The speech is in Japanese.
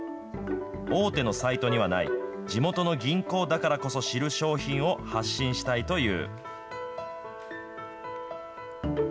大手のサイトにはない、地元の銀行だからこそ知る商品を発信したいという。